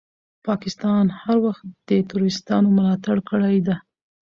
پاکستان هر وخت دي تروريستانو ملاتړ کړی ده.